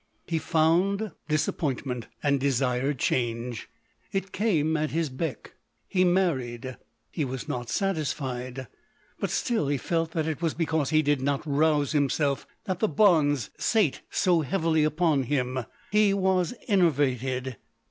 lie found disappointment, and de sired change. It came at his beck. He mar ried, lie was not satisfied ; but still he felt that it was because lie did not rouse himself, that the bonds sate no heavily upon him. He was enervated.